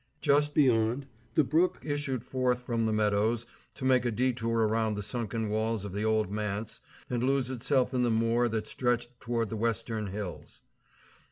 Just beyond, the brook issued forth from the meadows to make a detour around the sunken walls of the old manse and lose itself in the moor that stretched toward the western hills.